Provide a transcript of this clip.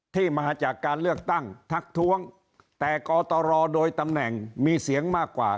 ที่มาจากการเลือกตั้งทักท้วงแต่กตรโดยตำแหน่งมีเสียงมากกว่า